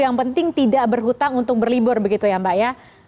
yang penting tidak berhutang untuk berlibur begitu ya mbak ya